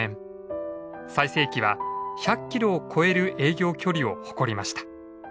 最盛期は１００キロを超える営業距離を誇りました。